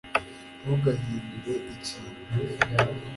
ntugahindure ikintu